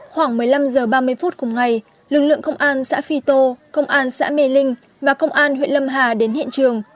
khoảng một mươi năm h ba mươi phút cùng ngày lực lượng công an xã phi tô công an xã mê linh và công an huyện lâm hà đến hiện trường